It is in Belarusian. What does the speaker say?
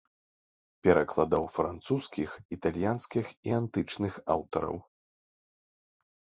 Перакладаў французскіх, італьянскіх і антычных аўтараў.